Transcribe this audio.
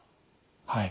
はい。